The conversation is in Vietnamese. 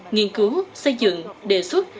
nghiên cứu xây dựng đề xuất